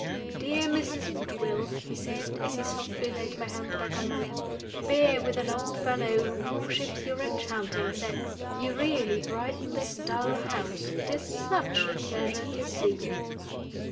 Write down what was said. "Dear Mrs. Woodville," he said, as he softly laid my hand back on my lap, "bear with an old fellow who worships your enchanting sex. You really brighten this dull house. It is such a pleasure to see you!"